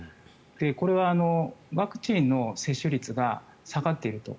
これはワクチンの接種率が下がっていると。